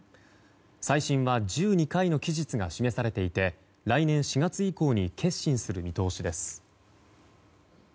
最新は１２回の期日が示されていて来年４月以降に結審する見通しです。